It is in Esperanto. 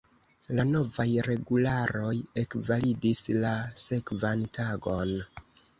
La novaj regularoj ekvalidis la sekvan tagon.